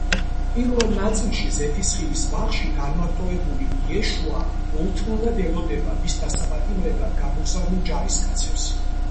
პირველ ნაწილში ზეთისხილის ბაღში განმარტოებული იეშუა მოუთმენლად ელოდება მის დასაპატიმრებლად გამოგზავნილ ჯარისკაცებს.